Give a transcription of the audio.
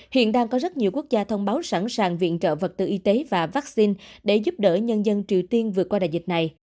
hiện đang có rất nhiều quốc gia thông báo sẵn sàng viện trợ vật tư y tế và vaccine để giúp đỡ nhân dân triều tiên vượt qua đại dịch này